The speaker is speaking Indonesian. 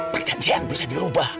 perjanjian bisa dirubah